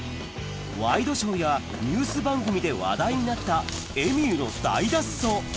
ワイドショーやニュース番組で話題になったエミューの大脱走